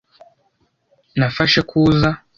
nafashe ko uza